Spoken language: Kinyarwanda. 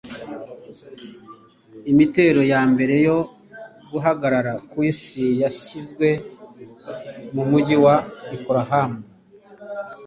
imetero ya mbere yo guhagarara ku isi yashyizwe mu mujyi wa oklahoma